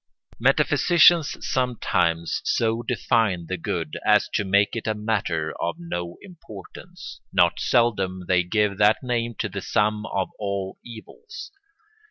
Metaphysicians sometimes so define the good as to make it a matter of no importance; not seldom they give that name to the sum of all evils.